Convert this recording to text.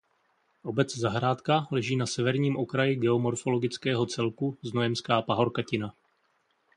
Obec zahrádka leží na severním okraji geomorfologického celku Znojemská pahorkatina.